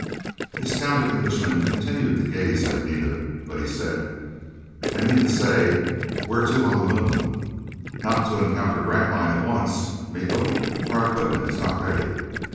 The astounded Englishman continued to gaze at Anita. But he said, "I mean to say, where to on the Moon? Not to encounter Grantline at once, Miko? Our equipment is not ready."